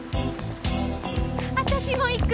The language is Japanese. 私も行く。